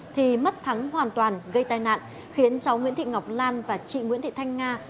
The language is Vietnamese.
thì mất thắng hoàn toàn gây tai nạn khiến cháu nguyễn thị ngọc lan và chị nguyễn thị thanh nga